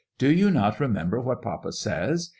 Do you not remember what papa says?